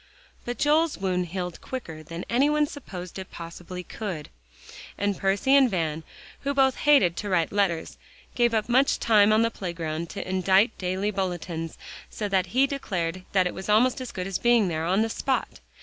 But Joel's wound healed quicker than any one supposed it possibly could, and Percy and Van, who both hated to write letters, gave up much time on the playground to indite daily bulletins, so that he declared that it was almost as good as being there on the spot.